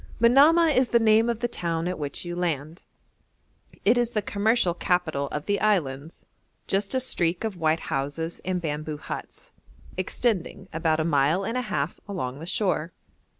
Manamah is the name of the town at which you land; it is the commercial capital of the islands just a streak of white houses and bamboo huts, extending about a mile and a half along the shore.